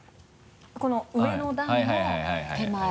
この上の段の手前側。